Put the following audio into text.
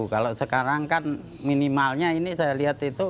kalau sekarang kan minimalnya ini saya lihat itu